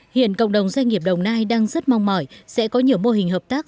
hiện cộng đồng doanh nghiệp đồng nai đang rất mong mỏi sẽ có nhiều mô hình hợp tác